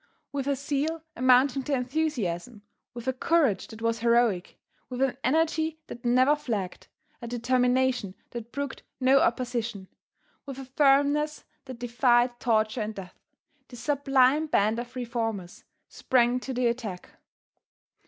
With a zeal amounting to enthusiasm, with a courage that was heroic, with an energy that never flagged, a determination that brooked no opposition, with a firmness that defied torture and death, this sublime band of reformers sprang to the attack.